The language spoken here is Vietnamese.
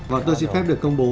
và tôi xin phép được công bố